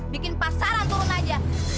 bikin pasaran turun aja